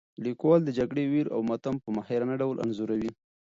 لیکوال د جګړې ویر او ماتم په ماهرانه ډول انځوروي.